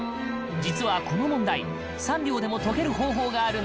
実はこの問題３秒でも解ける方法があるんです！